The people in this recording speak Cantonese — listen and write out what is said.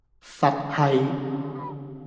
佛系